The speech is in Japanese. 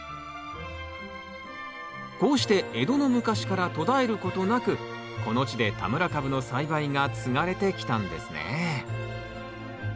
こうして江戸の昔から途絶えることなくこの地で田村かぶの栽培が継がれてきたんですね。